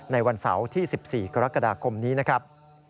ในวันเสาร์ที่๑๔กรกฎาคมนี้นะครับ